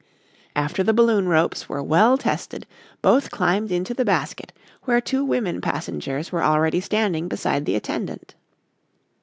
After the balloon ropes were well tested, both climbed into the basket where two women passengers were already standing beside the attendant.